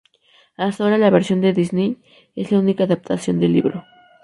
Hasta ahora la versión de Disney es la única adaptación del libro.